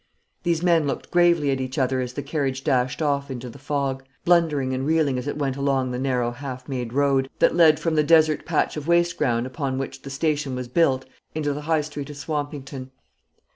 These men looked gravely at each other as the carriage dashed off into the fog, blundering and reeling as it went along the narrow half made road, that led from the desert patch of waste ground upon which the station was built into the high street of Swampington.